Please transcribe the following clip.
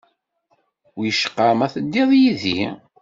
Wicqa ma teddiḍ yid-i?